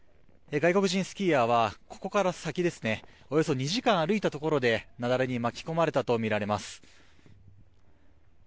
外国人スキーヤーはここから先およそ２時間歩いたところで雪崩に巻き込まれたとみられます。